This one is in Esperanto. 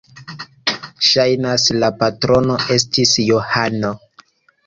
Ŝajnas, la patrono estis Johano.